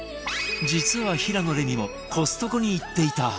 実は平野レミもコストコに行っていた